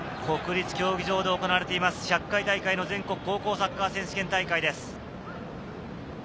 国立競技場で行われています１００回大会の全国高校サッカー選手権大会です。